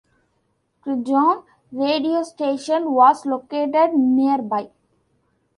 Criggion Radio Station was located nearby.